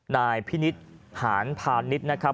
นายพิณิถหานผ่านนิดนะครับ